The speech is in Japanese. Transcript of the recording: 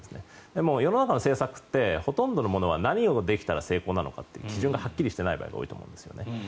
でも世の中の政策ってほとんどのものが何をできたら成功なのかって基準がはっきりしていない場合が多いと思うんですね。